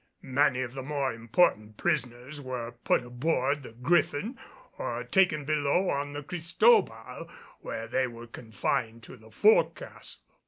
Many of the more important prisoners were put aboard the Griffin or taken below on the Cristobal, where they were confined in the fore castle.